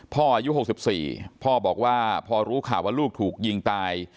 อายุ๖๔พ่อบอกว่าพอรู้ข่าวว่าลูกถูกยิงตาย